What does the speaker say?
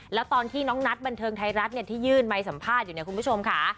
แล้วตอนที่น้องนัทบันเทิงไทยรัฐที่ยื่นไมค์สัมภาษณ์อยู่เนี่ยคุณผู้ชมค่ะ